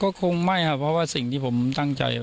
ก็คงไม่ครับเพราะว่าสิ่งที่ผมตั้งใจ